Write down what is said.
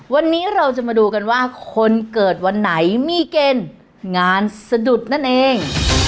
วันนี้เราจะมาดูกันว่าคนเกิดวันไหนมีเกณฑ์งานสะดุดนั่นเอง